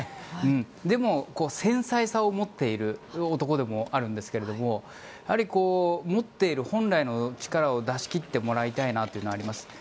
でも、繊細さを持っている男でもあるんですが持っている本来の力を出し切ってもらいたいなというのがあります。